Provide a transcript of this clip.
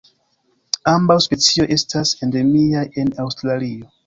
Ambaŭ specioj estas endemiaj en Aŭstralio.